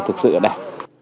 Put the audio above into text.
thực sự là đẹp